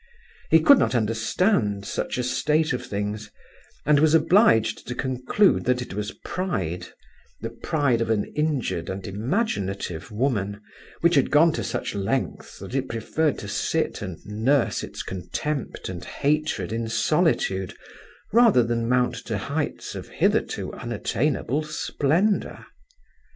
He could not understand such a state of things, and was obliged to conclude that it was pride, the pride of an injured and imaginative woman, which had gone to such lengths that it preferred to sit and nurse its contempt and hatred in solitude rather than mount to heights of hitherto unattainable splendour.